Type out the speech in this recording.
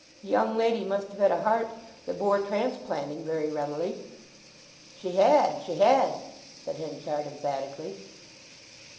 "The young lady must have had a heart that bore transplanting very readily!" "She had, she had," said Henchard emphatically.